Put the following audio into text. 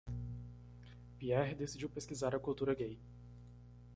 Pierre decidiu pesquisar a cultura gay.